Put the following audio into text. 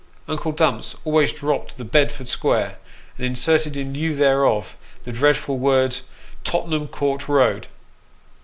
(Uncle Dumps always dropped the "Bedford Square," and inserted in lieu thereof the dreadful words " Tottenham court Eoad.")